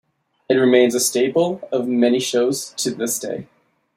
It remains a staple of many shows to this day.